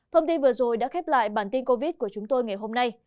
thông tin vừa rồi đã khép lại bản tin covid của chúng tôi ngày hôm nay